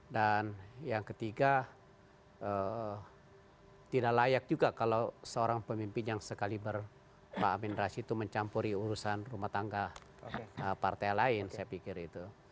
dan yang ketiga tidak layak juga kalau seorang pemimpin yang sekali berpahaminrasi itu mencampuri urusan rumah tangga partai lain saya pikir itu